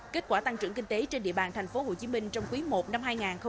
kết quả tăng trưởng kinh tế trên địa bàn thành phố hồ chí minh trong quý i năm hai nghìn hai mươi bốn